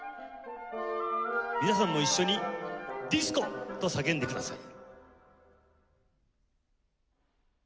皆さんも一緒に「ディスコ！」と叫んでください。